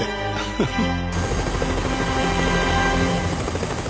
フフッ。